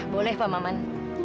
boleh pak maman